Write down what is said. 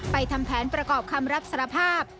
ทำแผนประกอบคำรับสารภาพ